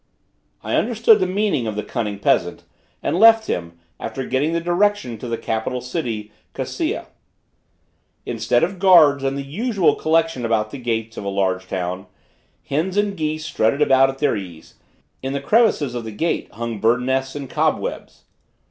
I understood the meaning of the cunning peasant, and left him, after getting the direction to the capital city, Casea. Instead of guards and the usual collection about the gates of a large town, hens and geese strutted about at their ease: in the crevices of the gate hung birds nests and cobwebs.